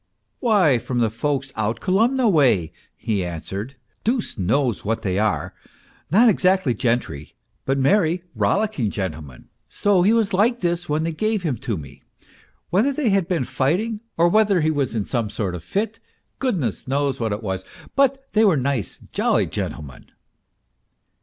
" Why, from folks out Kolomna way," he answered. " Deuce knows what they are, not exactly gentry, but merry, rollicking gentlemen ; so he was like this when they gave him to me ; whether they had been fighting, or whether he was in some sort of a fit, goodness knows what it was ; but they were nice, jolly gentlemen